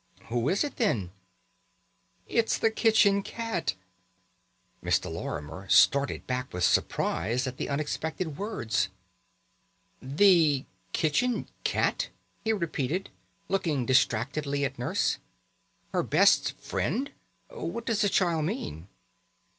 "Who is it, then?" "It's the kitchen cat." Mr. Lorimer started back with surprise at the unexpected words. "The kitchen cat!" he repeated, looking distractedly at Nurse. "Her best friend! What does the child mean?"